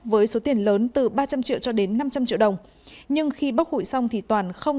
với số tiền lớn từ ba trăm linh triệu cho đến năm trăm linh triệu đồng nhưng khi bốc hủy xong thì toàn không